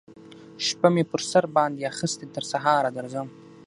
شپه می پر سر باندی اخیستې تر سهاره درځم